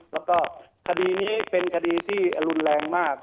แล้วก็คดีนี้เป็นคดีที่อรุณแรงมาก